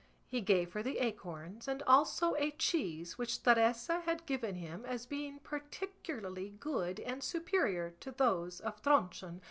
He gave her the acorns, and also a cheese which Teresa had given him as being particularly good and superior to those of Tronchon.